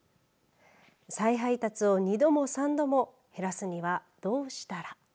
再配達を２度も３度も減らすにはどうしたら。